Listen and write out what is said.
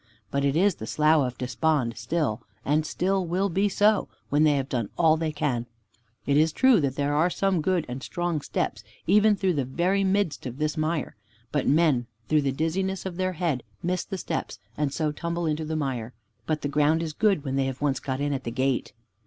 But it is the Slough of Despond still; and still will be so, when they have done all they can. It is true that there are some good and strong steps even through the very midst of this mire. But men through the dizziness of their head miss the steps and so tumble into the mire, but the ground is good when they have once got in at the gate."